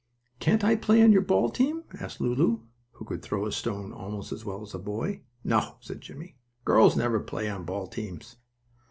"Can't I play on your ball team?" asked Lulu, who could throw a stone almost as well as a boy. "No," said Jimmie. "Girls never play on ball teams."